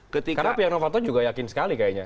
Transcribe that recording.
karena setia novanto juga yakin sekali kayaknya